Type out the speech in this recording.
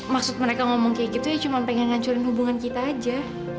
maksud mereka ngomong kayak gitu ya cuma pengen ngancurin hubungan kita aja